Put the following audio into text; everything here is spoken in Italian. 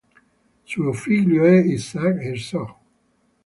Suo figlio è Isaac Herzog.